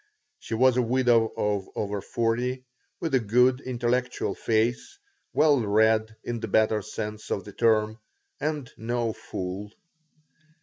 She was a widow of over forty, with a good, intellectual face, well read in the better sense of the term, and no fool.